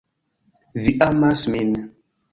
Vi amas min